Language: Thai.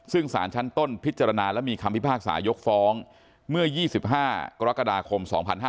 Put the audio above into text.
ซึ่งสารชั้นต้นพิจารณาและมีคำพิพากษายกฟ้องเมื่อ๒๕กรกฎาคม๒๕๕๙